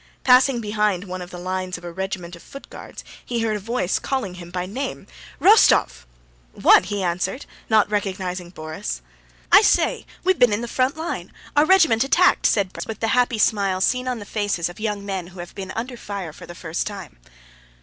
Passing behind one of the lines of a regiment of Foot Guards he heard a voice calling him by name. "Rostóv!" "What?" he answered, not recognizing Borís. "I say, we've been in the front line! Our regiment attacked!" said Borís with the happy smile seen on the faces of young men who have been under fire for the first time.